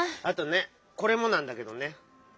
あとねこれもなんだけどね。